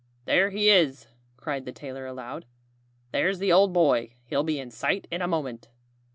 "There he is!" cried the tailor aloud. "There's the old boy! He'll be in sight in a moment."